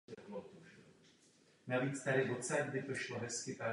Můžete to vidět pouhým okem.